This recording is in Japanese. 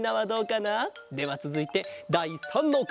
ではつづいてだい３のかげだ。